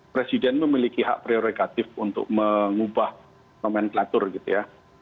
presiden memiliki hak prerogatif untuk mengubah nomenklatur gitu ya